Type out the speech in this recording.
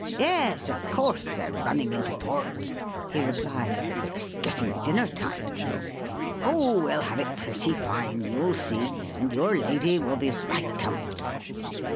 Yes, of course they're running into port," he repUed; *4t's getting dinner time, you know. Oh, we'll have it pretty fine, you'll see, and your lady will be right comfortable.